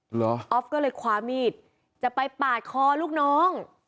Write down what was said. เหรอออฟก็เลยคว้ามีดจะไปปาดคอลูกน้อง